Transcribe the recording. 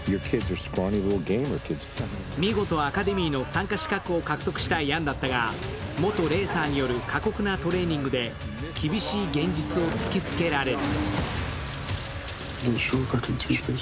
見事、アカデミーの参加資格を獲得したヤンだったが、元レーサーによる過酷なトレーニングで厳しい現実を突きつけられる。